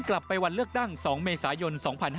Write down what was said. กลับไปวันเลือกตั้ง๒เมษายน๒๕๕๙